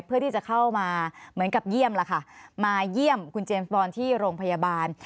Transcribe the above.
เพื่อที่จะเข้ามาเหมือนกับเยี่ยมแล้วค่ะมาเยี่ยมคุณเจมส์บอลที่โรงพยาบาล